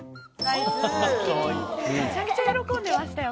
めちゃくちゃ喜んでましたよ